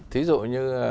thí dụ như